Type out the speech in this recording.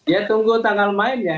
ya tunggu tanggal mainnya